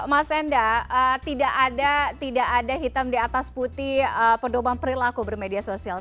mas enda tidak ada hitam di atas putih pedoman perilaku bermedia sosial